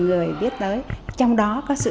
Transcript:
người biết tới trong đó có sự